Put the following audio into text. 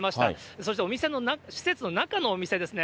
そして施設の中のお店ですね。